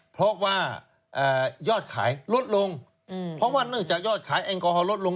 เพราะว่ายอดขายลดลงเพราะว่าเนื่องจากยอดขายแอลกอฮอลลดลง